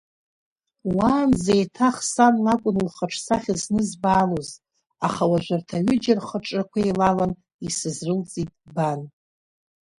Уаанӡа еиҭах сан лакәын лхаҿсахьа знызбаалоз, аха уажәы арҭ аҩыџьа рхаҿрақәа еилалан исызрылҵит бан…